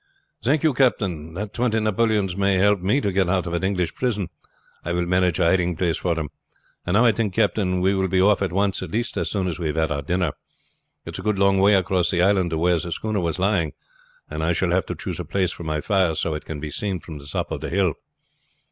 "Thank you, captain. That twenty napoleons may help me to get out of an English prison. I will manage a hiding place for them. And now I think, captain, we will be off at once at least as soon as we have had our dinner. It's a good long way across the island to where that schooner was lying, and I shall have to choose a place for my fire so that it can be seen from the top of the hill."